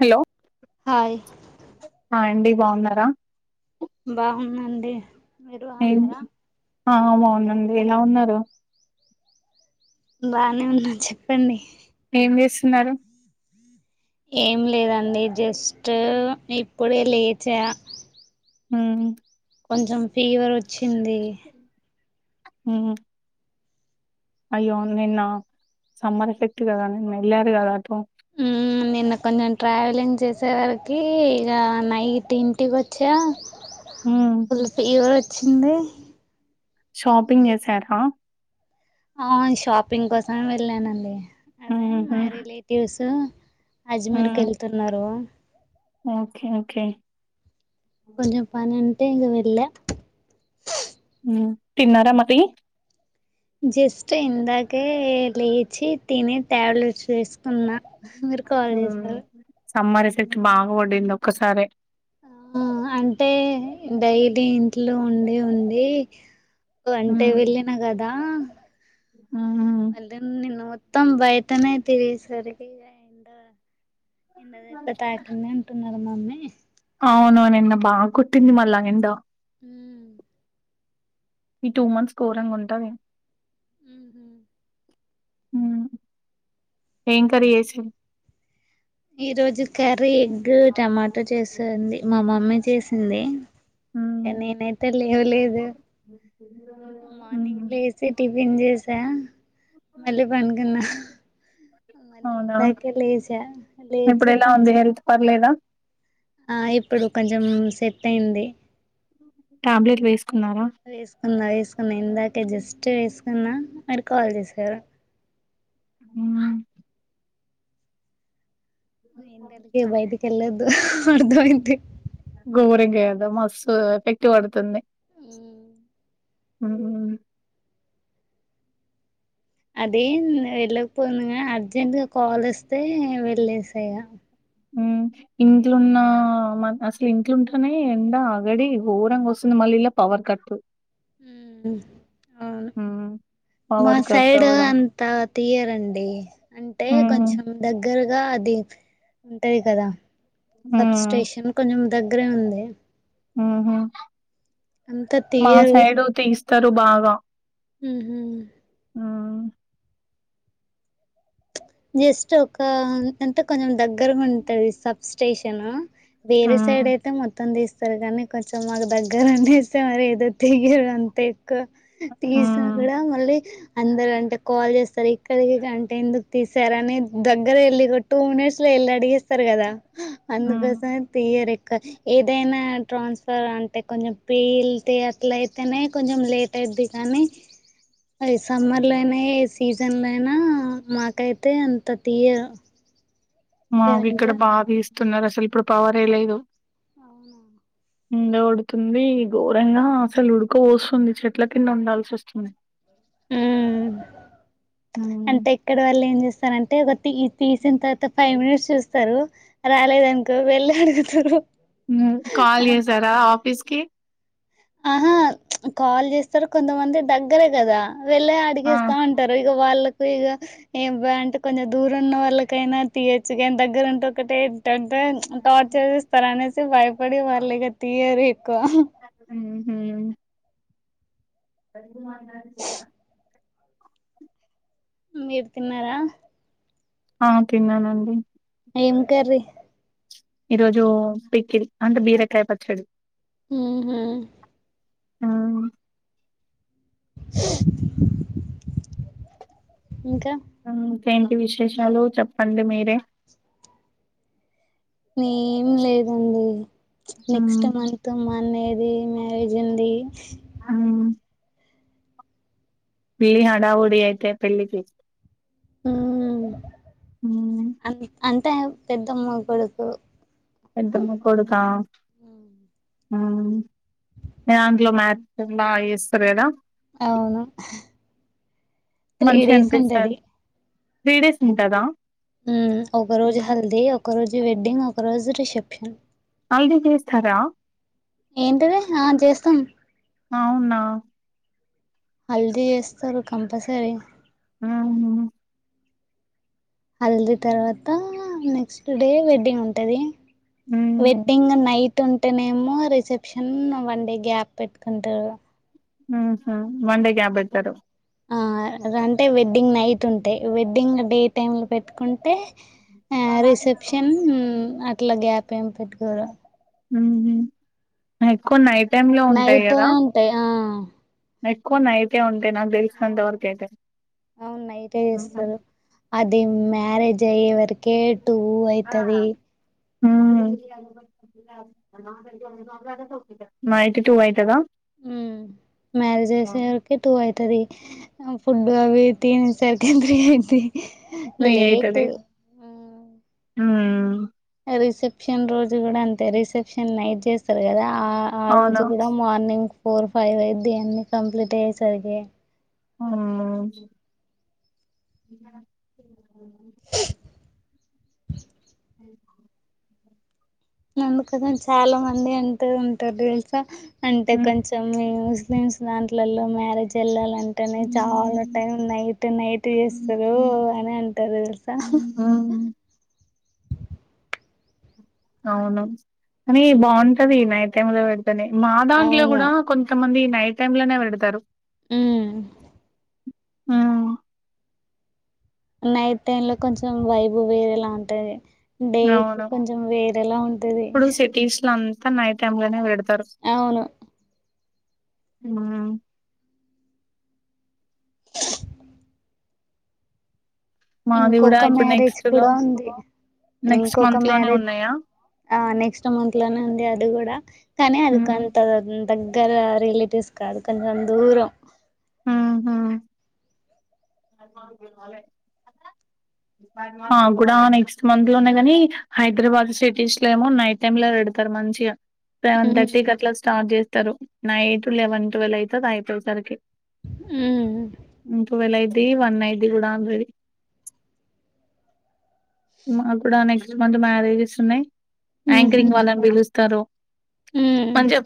Hello hi hi అండి బాన్నారా బాగున్నామండి మీరు ఏం బాన్నారా ఆ బావున్నామండి ఎలా ఉన్నారు బానే ఉన్నా చెప్పండి స్తున్నారు ఏం లేదండి జస్ట్ ఇప్పుడే లేచ ఉమ్ కొంచెం ఫీవర్ వచ్చి ఉమ్ అయ్యో నిన్న సమ్మర్ ఎఫెక్ట్ కదా నిన్న వెళ్ళారు కదా అటు మ్మ్ నిన్న కొంచెం ట్రావెలింగ్ చేసే వరకి ఇక నైట్ ఇంటికి వచ్చా హ్మ్ ఫుల్ ఫీవర్ వచ్చింది షాపింగ్ చేసార షాపింగ్ కోసం వెళ్ళానండి అదే హ్మ్ హు మా రిలేటివ్స్ అజ్మీర్ హ్మ్ కేళ్తున్నారు ఓకే ఓకే కొంచం పనింట ఇం వెళ్లే ఉమ్ తిన్నారా మరి జస్ట్ ఇందాకే లేచి తిని టాబ్లెట్స్ వేసుకున్న మీరు కాల్ హ్మ్ చేసారు సమ్మర్ ఎఫెక్ట్ బాగా పడింది ఒక్కసారే ఆ అంటే డైలి ఇంట్లో ఉండి ఉండి అంటే హ్మ్ వెళ్ళిన కదా హ్మ్ మళ్ళ నిను మొత్తం బయటనే తిరిగే సరికి ఎండ దెబ్బ తాకింద అంటున్నారు మమ్మీ అవును నిన్న బాగా కొట్టింది మల్ళా ఎండ అ ఈ టూ మంత్స్ గోరంగుంటది ఉ హ్మ్ ఏం కర్రి చేసింది ఈ రోజు కర్రీ ఎగ్ టమాటో చేసింది మా మమ్మీ చేసింది ఉమ్, నేనైతే లేవలేదు మార్నింగ్ ఉమ్. లో వేసి టిఫిన్ చేసా మళ్ళీ పండుకున్న అవునా ఇందాకే లేచ ఇప్పుడు ఎలా ఉంది హెల్త్ పర్లేదా ఆ ఇప్పుడు కొంచెం సెట్ అయింది టాబ్లేెట్ ఏసు వేసుకున్న వేసుకున్న ఇందాకే జస్ట్ వేసుకున్న మీరు కాల్ చేసారు మ్మ్ ఎండలకి బయటికి వెళ్ళొద్దు అర్థమైంది గోరంగా మస్తు ఎఫెక్ట్ పడుతుంది అ అదే వెళ్ళకపోయింది అర్జెంట్గా కాల్ వస్తే వెళ్ళేసేగా ఇంట్లున్న మన అసలు ఇంట్లుంటానే ఎండ అగడి ఘోరంగా వస్తుంది మళ్ళ ఇల్ల పవర్ కట్ అవును మా పవర్ కట్ సైడ్ అవ్వడం అంత తీయరండి అంటే ఉమ్ కొంచెం దగ్గర ఇగా అది ఉంటది కదా సబ్ ఉమ్ స్టేషన్ కొంచెం దగ్గరే ఉంది ఉహ అంత మా సైడు తీస్తారు బాగా ఉహూ మ్మ్ జస్ట్ ఒక అంటే కొంచం దగ్గర ఉంటది సబ్ స్టేషన్ వేరే సైడ్ మ్మ్ అయితే మొత్తం తీస్త సారు కానీ కొంచెం మాకు దగ్గర అనేస్తే మరి ఏదో తెగరు అంతే తీసిన మ్మ్ కూడా మళ్ళీ అందరు అంటే కాల్ చేస్తారు ఇక్కడికి అంటే ఎందుకు తీసారని దగ్గర వెళ్ళి టూ మినిట్స్ లో వెళ్ళి అడిగిస్తారు కదా మ్మ్ అందుకోసం తీయరు ఎక్కవ ఏదైనా ట్రాన్స్ఫర్ అంటే కొంచెం పేల్తే అట్లయితేనే కొంచెం లేట్ పట్టేది కానీ సమ్మర్ లోయినా సీజన్ లో అయినా మాకైతే అంత తీయరు మాకు కరెంట్ ఇక్కడ బాగా తీస్తున్నారు అసలు ఇప్పుడు పవర్ ఏ లేదు అవున ఎండ కొడుతుంది ఘోరంగా అసలు ఉడుక పోస్తుంది చెట్ల కింద ఉండాల్సి వస్తుంది ఉమ్ మ్మ్ అంటే ఇక్కడ వాళ్ళు ఏం చేస్తారంటే ఒక తీ తీసిన తర్వాత ఫైవ్ మినిట్స్ చూస్తారు రాలేదనుకో వెళ్ళి అడుగుతారు హమ్ కాల్ చేసారా ఆఫీస్కి ఆహా కాల్ చేస్తారు కొంతమంది దగ్గరే కదా వెళ్ళే ఆ అడిగేస్తా ఉంటారు ఇక వాళ్ళకి ఇగా ఏం బా అంటే కొంచెం దూరం ఉన్న వాళ్ళకైనా తీయొచ్చు కాని దగ్గర ఉంటే ఒకటే [unintelligible] టార్చర్ చేస్తారు అనేసి భయపడి వాళ్ళు ఇక తీయరి హుమ్మ్ [unintelligible] మీరు తిన్నారా ఆ తిన్నానండి ఏం కర్రీ ఈ రోజు పికిల్ అండ్ బీరకాయ పచ్చడి హుమ్మ్ ఆ ఇంకా ఇంకేంటి విశేషాలు చెప్పండి మీరే ఏం లేదండి నెక్స్ట్ హ్మ్. మంత్ మా అన్నయ్య ది మ్యారేజ్ ఉంది హ్మ్. పేల్లి హడావుడి అయితే పెళ్ళకి హమ్ హ్మ్. అ అంటే పెద్దమ్మ కొడుకు పెద్దమ్మ కొడుకా ఆ హమ్ మీ దాంట్లో మాత్ బా చేస్తారు కదా అవును తీ డేస్ ఉంటది త్రీ డేస్ ఉంటదా ఒక రోజు హ్మ్. హల్దీ ఒక రోజు వెడ్డింగ్ ఒక రోజు రిసెప్షన్ హల్దీ చేస్తరా ఏంటిది ఆ చేస్తాం అవునా హల్దీ చేస్తారు కంపల్సరీ హుమ్మ్ హల్దీ తర్వాత నెక్స్ట్ డే వెడ్డింగ్ ఉంటది హ్మ్. వెడ్డింగ్ నైట్ ఉంటేనేమో రిసెప్షన్ వన్ డే గ్యాప్ పెట్టుకుంటారు హుమ్మ్ మండే గ్యాప్ పెడతారు అ అంటే వెడ్డింగ్ నైట్ ఉంటాయి వెడ్డింగ్ డే టైమ్ లో పెట్టుకుంటే ఆ రిసెప్షన్ అట్లా గ్యాప్ ఏం పెట్టుకోరు హుమ్మ్ ఎక్కువ నైట్ టైమ్ లో ఉంటాయి నైటే కదా ఉంటాయి ఆ ఎక్కువ నైటె ఉంటాయి నాకు అవును తెలిసినంతవరకు అయితే అవును నైటే చేస్తారు అది మ్యారేజ్ అయ్యే వరకే టూ అయితది హమ్ నైట్ టూ అయితథ ఉ మ్యారేజ్ చేసేవరకి టూ అయితది ఫుడ్ అవి తినే సరికి త్రీ అయితే లేట్ హమ్ రిసెప్షన్ రోజు కూడా అంతే రిసెప్షన్ నైట్ చేస్తారు కదా ఆ ఆ రోజు అవును కూడా మార్నింగ్ ఫోర్ ఫైవ్ అయిది అన్ని కంప్లీట్ అయ్యేసరికి అమ్మో [unintelligible] అ [inaudible] అందుకు చాలా మంది అంటూ ఉంటారు తెలుసా అంటే కొంచం న్స్ దాంట్లలో మ్యారేజ్ ఎల్లల ఉమ్ అంటేనే చాలా ఉమ్ టైం నైట్ నైట్ చేస్తారు అని అంటారు తెలుసా అ అవును కానీ బాగుంటది నైట్ టైంలో మీద పెడితే అట్టనే మా దాంట్లో అవును కూడా కొంతమంది నైట్ టైమ్ లోనే పెడతారు. ఉమ్ ఉమ్ నైట్ టైం లో కొంచెం వైబ్ వేరేలా ఉంటది. డే అవును కొంచెం వేరేలా ఉంటది. కాని నైట్ టైమ్ లోనే పెడతారు అవును ఉమ్ [unintelligible] మాది కూడా ఇంకొక ఇప్పుడు మ్యారేజ్ నెక్స్ట్ లో కూడా ఉంది నెక్స్ట్ ఇంకొక మంత్ లోనే మ్యారేజ్ ఉన్నాయా ఆ నెక్స్ట్ మంత్ లోనే ఉంది అది కూడా కానీ అది ఉమ్ కొంత దగ్గర రిలేటివ్స్ కాదు కొంచెం దూరం ఉమ్ హూ నాగూడా నెక్స్ట్ మంత్ లో ఉన్నాయి గాని హైదరాబాద్ సిటీస్ లో ఏమో నైట్ టైమ్ లో పెడత ఇక్కడ మంచిగా సెవెన్ ఉమ్ థర్టీకి అట్లా స్టార్ట్ జేస్తరు నైట్ లెవెన్ ట్వెల్వ్ అయితది అయిపోయేసరికి ట్వెల్వ్ అయిది వన్ అయిది గూడా ఆల్రెడీ మాకు గూడా నెక్స్ట్ మంత్ మ్యారేజెస్ ఉన్నయ్ ఉహు యాంకరింగ్ వాళ్ళని పిలుస్తారు. ఉమ్ మంచిగా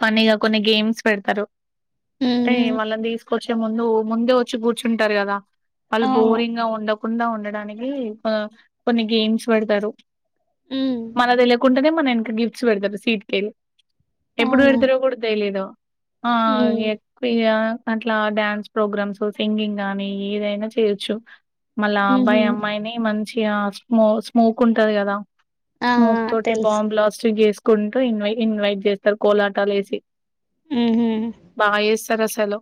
ఫన్నీగా కొన్ని గేమ్స్ పెడతారు. అంటే ఉహు వాళ్ళని తీసుకొచ్చే ముందు ముందే వచ్చి గూర్చుంటారు గదా వాళ్ళు అవును బోరింగ్ గా ఉండకుండా ఉండడానికి కొన్ని గేమ్స్ పెడతారు. ఉమ్ మనకు దెలియ కుంటేనే మన యెనుక గిఫ్ట్స్ పెడతారు సీట్కెల్లీ ఎప్పుడు అవునా పెడతారో కూడా తెలియదు. ఆ ఉమ్ ఇగా అట్లా డ్యాన్స్ ప్రోగ్రామ్స్ సింగింగ్ గానీ ఏదైనా చేయొచ్చు. మళ్ళా ఉహు అబ్బాయి అమ్మాయిని మంచిగా స్మో స్మోక్ ఉంటది కదా ఆ స్మోక్ తోటి తెలుసు బాంబ్ బ్లాస్ట్ చేసుకుంటూ ఇన్వై ఇన్వైట్ చేస్తారు కోలాటాలు యేసి ఉహు బాగజేస్ స్తరు అసలు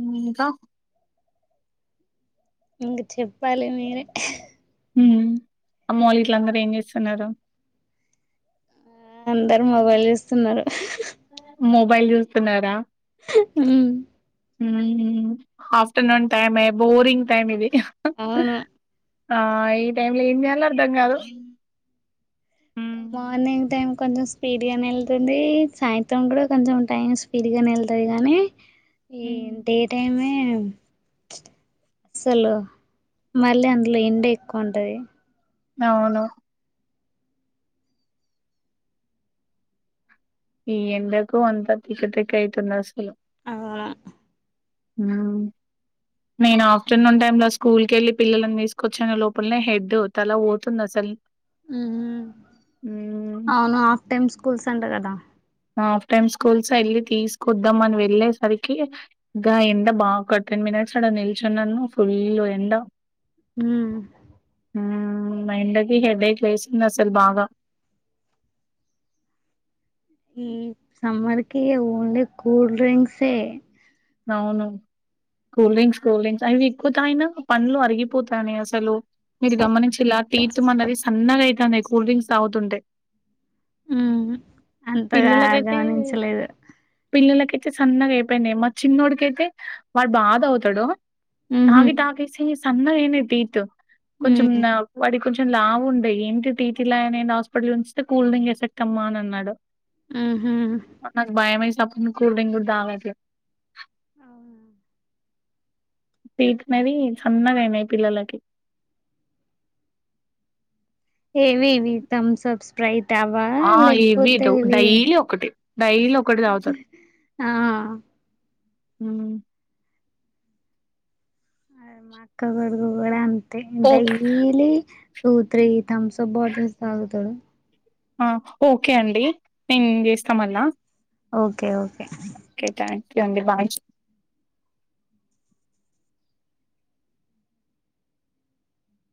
ఉమ్ ఇంకా ఇంగ చెప్పాలి మీరే ఉమ్ అమ్మ వాళ్ళు ఇట్లందరూ ఏం జేస్తున్నారు ఆ అందరు మొబైల్ జూస్తున్నారు మొబైల్ జూస్తున్నారా ఉమ్ ఉమ్ ఆఫ్టర్నూన్ టైమే బోరింగ్ టైమ్ ఇది అవును ఆ ఈ టైమ్ లో ఏం జేయాలో అర్థంగాదు మార్నింగ్ టైం కొంచెం స్పీడ్ గా యెళ్తుంది సాయంత్రం కూడా కొంచెం టైం స్పీడ్ గా యెళ్తది గానీ ఈ ఉమ్. డే టైమే [inaudible] అసలు మళ్ళీ అందులో ఎండ ఎక్కువ ఉంటది అవును ఈ ఎండకు అంత తిక్కతిక్కైతుంది అసలు అ ఉమ్ నేను ఆఫ్టర్నూన్ టైమ్ లో స్కూల్ కెళ్ళి పిల్లని తీసుకొచ్చనే లోపలనే హెడ్ తల బోతుంది అసలు ఉమ్. అవును హాఫ్ టైమ్ స్కూల్స్ అంట కదా? హాఫ్ టైమ్ స్కూల్స్ వెళ్ళి తీసుకొద్దాం అని వెళ్ళేసరికి గ ఎండ బాగా కొట్టంది. [unintelligible] నిలుచున్నాను ఫుల్ ఎండ. మ్ మైండకి హెడ్డేక్ లేసింది అసలు బాగా మ్ ఈ సమ్మర్ కి ఓన్లీ కూల్ డ్రింక్సే అవును కూల్ డ్రింక్స్ కూల్ డ్రింక్స్ అవి ఎక్కువ తాగినా పండ్లు అరిగిపోతాన్నాయి అసలు మీరు గమనించేలా తీర్థమన్నది సన్నగా అయి తాంది. కూల్ డ్రింక్స్ తాగుతుంటే. ఉమ్ అంతగా పిల్లలకైతే గమనించలేదు పిల్లలకి. అయితే సన్నగా అయిపోయినాయి మా చిన్నోడికి అయితే వాడు బాధ తాగు. ఉహు తాగి తాగిసి సన్నగైనాయి టీత్ కొంచం ఉమ్ నా వాడి. కొంచెం లావు ఉండే ఏంటి టీత్ ఇలానే హాస్పిటల్ ఉంచితే కూల్ డ్రింక్ ఎఫెక్ట్ అని అన్నాడు. మ్ హూ నాకు భయంమేస అప్పుడు కూల్ డ్రింక్ కూడా తాగనసలు. టేత్ సన్నగా అయినాయి పిల్లలకి. ఏవి వి థమ్స్ అప్, స్ప్రైట్ అవా ఆ ఇవి లేకపోతే ఏవి? డైలీ ఒకటి డైలీ ఒకటి తాగుతారు. ఆ అ మాక్క కొడుకు కూడా అంతే okay daily two three Thums Up bottles తాగుతాడు. మ్ ఓకే అండి నేను చేస్తా మళ్ళా. Okay. Okay. Okay thank you అండి. బాయ్